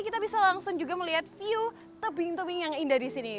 kita bisa langsung juga melihat view tebing tebing yang indah di sini